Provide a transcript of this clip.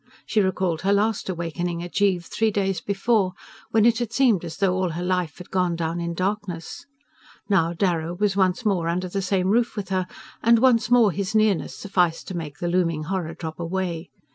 She recalled her last awakening at Givre, three days before, when it had seemed as though all her life had gone down in darkness. Now Darrow was once more under the same roof with her, and once more his nearness sufficed to make the looming horror drop away.